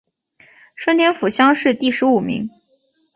顺天府乡试第十五名。